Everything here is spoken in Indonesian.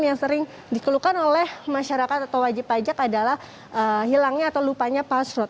yang sering dikeluhkan oleh masyarakat atau wajib pajak adalah hilangnya atau lupanya password